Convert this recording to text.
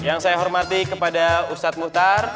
yang saya hormati kepada ustadz mukhtar